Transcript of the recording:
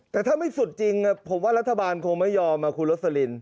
แต่ถ้าไม่สุดจริงผมว่ารัฐบาลคงไม่ยอมคุณโรสลิน